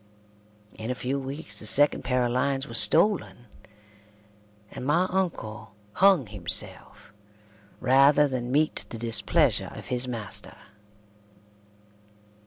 In a few weeks the second pair of lines was stolen, and my uncle hung himself rather than meet the displeasure of his master.